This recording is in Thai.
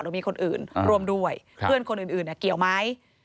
มีคนอื่นร่วมด้วยเพื่อนคนอื่นเกี่ยวไหม